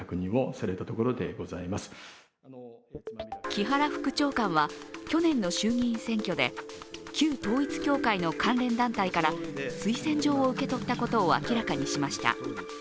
木原副長官は去年の衆議院選挙で、旧統一教会の関連団体から推薦状を受け取ったことを明らかにしました。